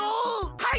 はい！